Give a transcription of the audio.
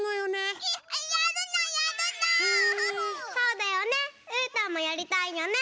そうだよねうーたんもやりたいよね。